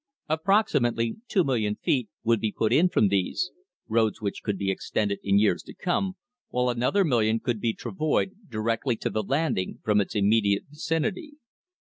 Approximately two million feet would be put in from these roads which could be extended in years to come while another million could be travoyed directly to the landing from its immediate vicinity.